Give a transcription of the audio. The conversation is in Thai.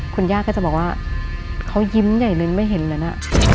คุณย่าก็จะบอกว่าเขายิ้มใหญ่เลยไม่เห็นเลยนะ